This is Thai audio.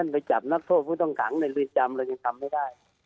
มีภาพก่อผู้ต้องหลังในลีนจำเรายังทำไม่ได้